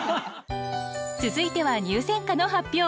続いては入選歌の発表。